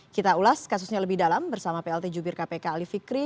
kita ulas kasusnya lebih dalam bersama plt jubir kpk ali fikri